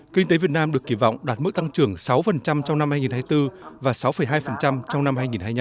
kinh tế việt nam được kỳ vọng đạt mức tăng trưởng sáu trong năm hai nghìn hai mươi bốn và sáu hai trong năm hai nghìn hai mươi năm